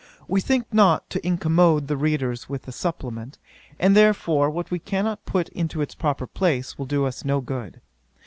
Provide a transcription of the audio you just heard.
We think not to incommode the readers with a supplement; and therefore, what we cannot put into its proper place, will do us no good.